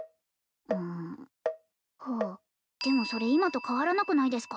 うんほうでもそれ今と変わらなくないですか